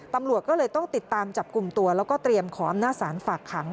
ตำรวจก็เลยต้องติดตามจับกลุ่มตัวแล้วก็เตรียมขออำนาจศาลฝากขัง